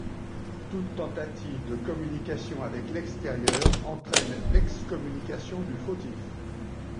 Toute tentative de communication avec l'extérieur entraîne l'excommunication du fautif.